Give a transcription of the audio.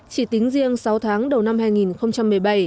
chỉ tính riêng sáu tháng đầu năm hai nghìn một mươi bảy